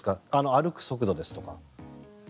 歩く速度ですとか。